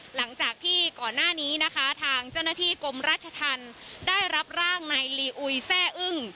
หลังจากที่ก่อนหน้านี้นะคะทางเจ้าหน้าที่กรมราชธรรมได้รับร่างนายลีอุยแซ่อึ้ง